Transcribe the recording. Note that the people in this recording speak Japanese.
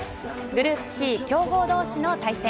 グループＣ強豪同士の対戦。